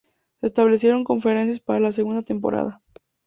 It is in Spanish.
Se establecieron conferencias para la segunda temporada.